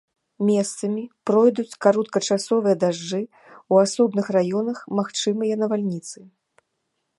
Месцамі пройдуць кароткачасовыя дажджы, у асобных раёнах магчымыя навальніцы.